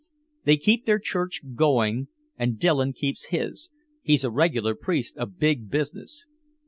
They keep their church going and Dillon keeps his he's a regular priest of big business!